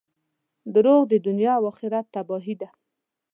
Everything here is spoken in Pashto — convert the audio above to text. • دروغ د دنیا او آخرت تباهي ده.